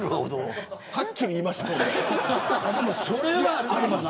はっきり言いましたもんね。